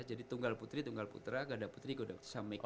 jadi tunggal putri tunggal putra gak ada putri gak ada nomor tim